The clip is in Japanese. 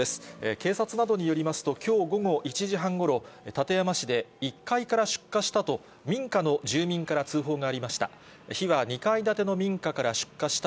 警察などによりますと、きょう午後１時半ごろ、館山市で、１階から出火したと、民家の住民から通報がありました。